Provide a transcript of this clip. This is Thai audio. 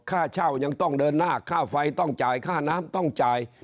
ค่าเช่ายังต้องเดินหน้าค่าไฟต้องจ่ายค่าน้ำต้องจ่าย